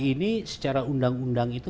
ini secara undang undang itu